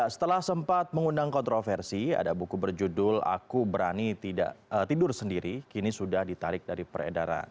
setelah sempat mengundang kontroversi ada buku berjudul aku berani tidur sendiri kini sudah ditarik dari peredaran